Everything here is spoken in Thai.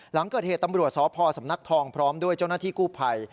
หลังเกิดเหตุตำรวจสพสำนักทองพร้อมด้วยเจ้าหน้าที่กู้ภัย